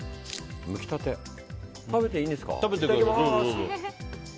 食べていいんですか？